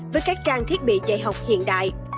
với các trang thiết bị dạy học hiện đại